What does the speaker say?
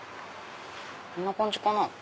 こんな感じかな。